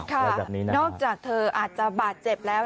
นอกจากเธออาจจะบาดเจ็บแล้ว